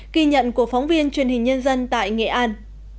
ghi nhận của phóng viên truyền hình nhân dân tại nghệ an